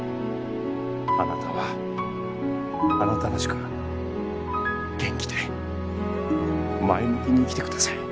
あなたはあなたらしく元気で前向きに生きてください。